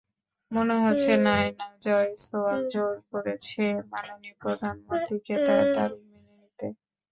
মনে হচ্ছে নায়না জয়সওয়াল জোর করেছে মাননীয় প্রধানমন্ত্রীকে তার দাবি মেনে নিতে।